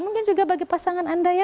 mungkin juga bagi pasangan anda ya